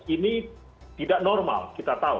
ini tidak normal kita tahu